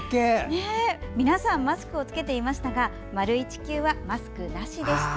皆さんマスクを着けていましたが丸い地球はマスクなしでした。